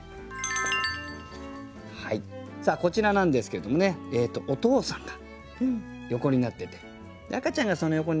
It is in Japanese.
さあこちらなんですけれどもねお父さんが横になってて赤ちゃんがその横に寝てますね。